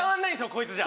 こいつじゃ